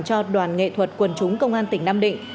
cho đoàn nghệ thuật quần chúng công an tỉnh nam định